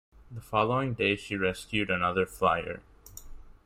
The following day, she rescued another flier.